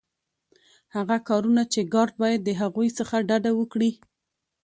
هغه کارونه چي ګارډ باید د هغوی څخه ډډه وکړي.